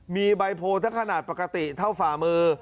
มีใบโพลทั้งขนาดปกติเท่าฝ่ามือ